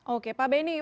oke pak beni